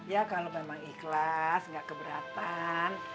ya kalau memang ikhlas nggak keberatan